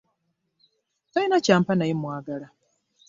Talina ky'ampa naye mmwagala.